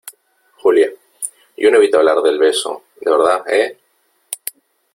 Julia , yo no evito hablar del beso , de verdad ,¿ eh ?